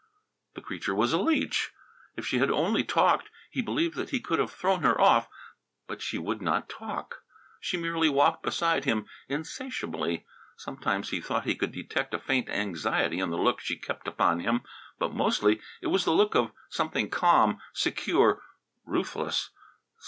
The creature was a leech! If she had only talked, he believed that he could have thrown her off. But she would not talk. She merely walked beside him insatiably. Sometimes he thought he could detect a faint anxiety in the look she kept upon him, but, mostly, it was the look of something calm, secure, ruthless.